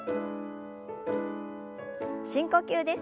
深呼吸です。